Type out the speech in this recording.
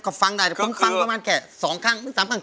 ก็ฟังได้แต่ผมฟังประมาณแค่๒ครั้งหรือ๓ครั้ง